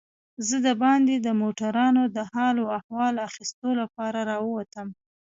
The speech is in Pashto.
زه دباندې د موټرانو د حال و احوال اخیستو لپاره راووتم.